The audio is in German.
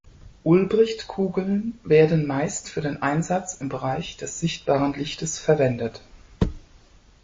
Ulbricht-Kugeln werden meist für den Einsatz im Bereich des sichtbaren Lichtes verwendet.